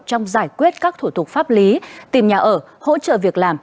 trong giải quyết các thủ tục pháp lý tìm nhà ở hỗ trợ việc làm